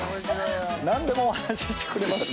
何でもお話ししてくれますね。